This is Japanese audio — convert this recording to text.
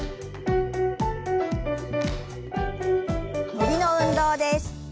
伸びの運動です。